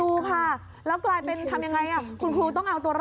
อุ๊ยตายตายตาย